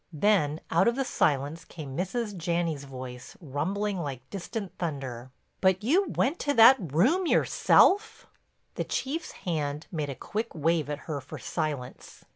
Then out of the silence came Mrs. Janney's voice, rumbling like distant thunder: "But you went to that room yourself?" The Chief's hand made a quick wave at her for silence.